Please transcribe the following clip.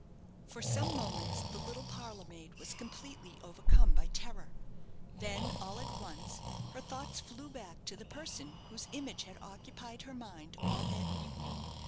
For some moments the little parlour maid was completely overcome by terror. Then, all at once, her thoughts flew back to the person whose image had occupied her mind all that evening.